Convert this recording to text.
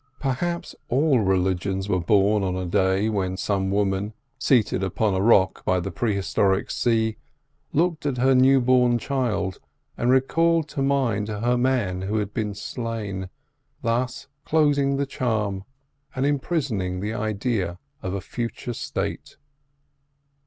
Perhaps all religions were born on a day when some woman, seated upon a rock by the prehistoric sea, looked at her newborn child and recalled to mind her man who had been slain, thus closing the charm and imprisoning the idea of a future state.